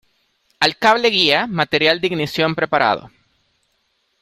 Al cable guía. Material de ignición preparado .